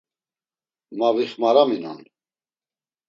Ma vixmaraminon.